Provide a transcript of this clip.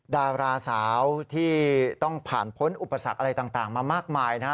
ดาราสาวที่ต้องผ่านพ้นอุปสรรคอะไรต่างมามากมายนะฮะ